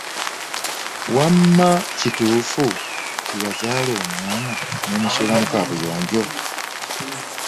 Wamma kituufu nti wazaala omwana nomusuula mu kabuyonjo?